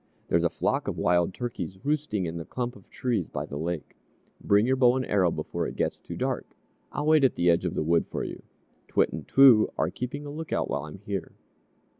"There's a flock of wild turkeys roosting in the clump of trees by the lake. Bring your bow and arrows before it gets too dark. I'll wait at the edge of the wood for you. T'wit and T'woo are keeping a look out while I'm here."